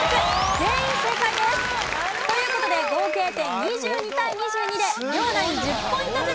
全員正解です！という事で合計点２２対２２で両ナイン１０ポイントずつ獲得です！